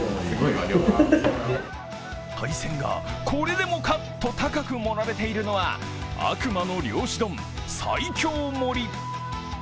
海鮮がこれでもかと高く盛られているのは悪魔の漁師丼最凶盛。